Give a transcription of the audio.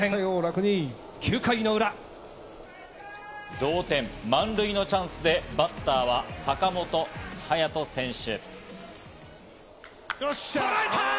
同点、満塁のチャンスでバッターは坂本勇人選手。